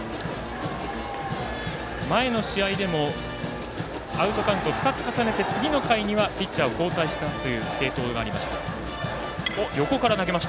前の試合でもアウトカウントを２つ重ねて次の回にはピッチャーを交代したという継投がありました。